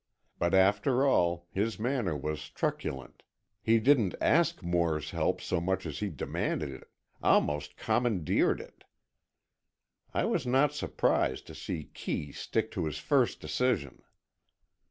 But after all, his manner was truculent, he didn't ask Moore's help so much as he demanded it, almost commandeered it. I was not surprised to see Kee stick to his first decision.